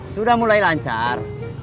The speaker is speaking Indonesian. sudah mulai lancar